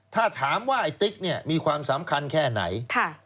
ถ้าถามว่าไอ้ติ๊กเนี่ยมีความสำคัญแค่ไหน